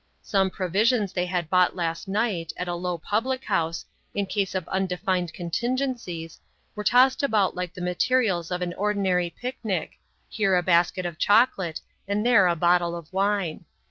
Some provisions they had bought last night, at a low public house, in case of undefined contingencies, were tossed about like the materials of an ordinary picnic, here a basket of chocolate, and there a bottle of wine.